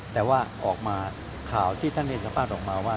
แต่ว่าออกมาข่าวที่ท่านได้สัมภาษณ์ออกมาว่า